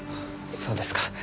そうですか。